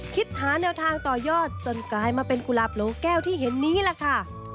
หาแนวทางต่อยอดจนกลายมาเป็นกุหลาบโหลแก้วที่เห็นนี้แหละค่ะ